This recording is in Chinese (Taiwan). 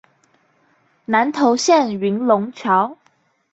南投縣雲龍橋